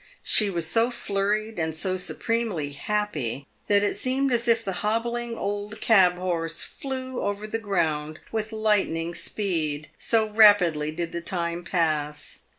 She was so flurried and so supremely happy, that it seemed as if the hobbling old cab horse flew over the ground with lightning speed, so rapidly did the time pass.